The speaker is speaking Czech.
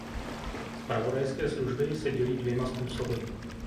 Zpravodajské služby se dělí dvěma způsoby.